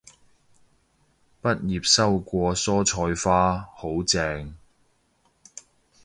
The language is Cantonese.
畢業收過蔬菜花，好正